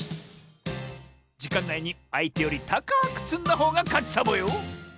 じかんないにあいてよりたかくつんだほうがかちサボよ！